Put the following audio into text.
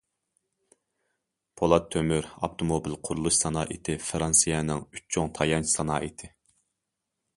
پولات- تۆمۈر، ئاپتوموبىل، قۇرۇلۇش سانائىتى فىرانسىيەنىڭ ئۈچ چوڭ تايانچ سانائىتى.